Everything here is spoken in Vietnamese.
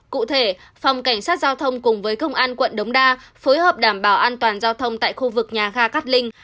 cụ thể phòng cảnh sát giao thông cùng với công an quận đống đa phối hợp đảm bảo an toàn giao thông tại khu vực nhà ga cát linh